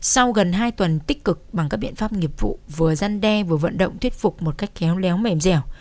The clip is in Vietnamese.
sau gần hai tuần tích cực bằng các biện pháp nghiệp vụ vừa gian đe vừa vận động thuyết phục một cách khéo léo mềm dẻo